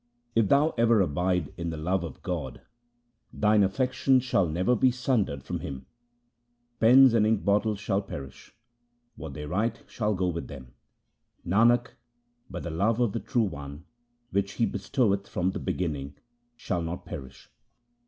If thou ever abide in the love of God, thine affection shall never be sundered from Him. Pens and ink bottles shall perish — what they write shall go with them — Nanak, but the love of the True One which He bestoweth from the beginning shall not perish.